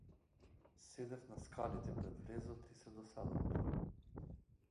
Седев на скалите пред влезот и се досадував.